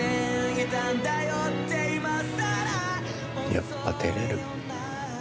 やっぱ照れる。